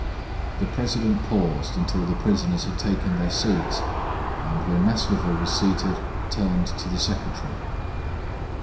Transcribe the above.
The president paused until the prisoners had taken their seats, and when Maslova was seated, turned to the secretary.